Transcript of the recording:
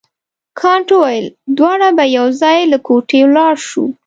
کانت وویل دواړه به یو ځای له کوټې ولاړ شو.